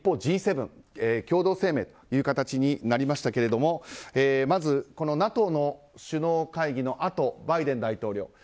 Ｇ７は共同声明という形になりましたがまず、ＮＡＴＯの首脳会議のあとバイデン大統領。